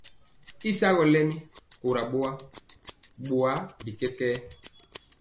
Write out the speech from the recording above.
Y sagɔ lɛmi kora boa, boa bi kɛkɛɛ.